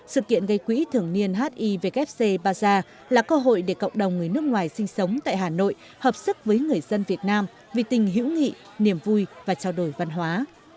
sự kiện gây quỹ thường niên hivc baza là cơ hội để cộng đồng người nước ngoài sinh sống tại hà nội hợp sức với người dân việt nam vì tình hữu nghị niềm vui và trao đổi văn hóa